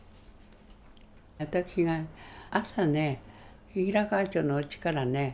私が朝ね平河町のうちからね